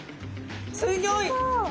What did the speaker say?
すギョい！